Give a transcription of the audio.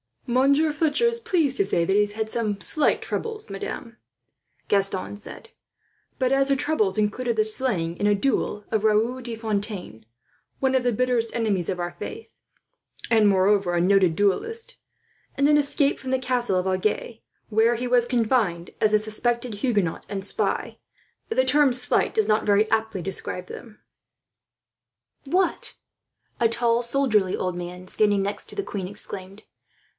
"Monsieur Fletcher is pleased to say that he has had some slight troubles, madame," Gaston said; "but as the troubles included the slaying in a duel of Raoul de Fontaine, one of the bitterest enemies of our faith, and moreover a noted duellist; and an escape from the castle of Agen, where he was confined as a suspected Huguenot and spy, the term slight does not very aptly describe them." "What!" A tall soldierly old man, standing next to the queen, exclaimed.